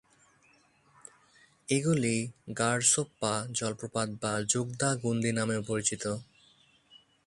এগুলি গারসোপ্পা জলপ্রপাত বা যোগদা গুনদি নামেও পরিচিত।